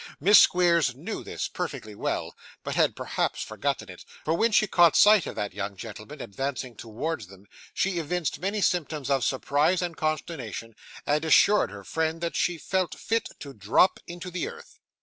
Miss Squeers knew this perfectly well, but had perhaps forgotten it, for when she caught sight of that young gentleman advancing towards them, she evinced many symptoms of surprise and consternation, and assured her friend that she 'felt fit to drop into the earth.